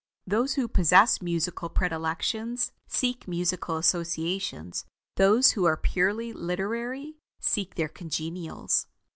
Those who possess musical predilections, seek musical associations; those who are purely literary, seek their congenials.